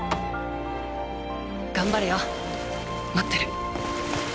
頑張れよ待ってる。